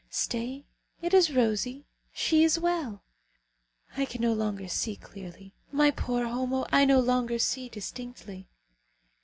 Stay! It is rosy. She is well! I can no longer see clearly. My poor Homo, I no longer see distinctly.